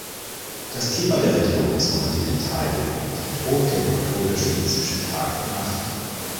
Das Klima der Region ist kontinental geprägt, mit hohen Temperaturunterschieden zwischen Tag und Nacht.